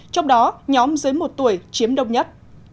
trong đó nhóm dưới một tuổi chiếm đông nhất